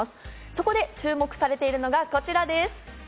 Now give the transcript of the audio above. そこで注目されているのがこちらです。